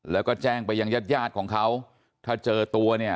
แล้วก็แจ้งไปยังญาติยาดของเขาถ้าเจอตัวเนี่ย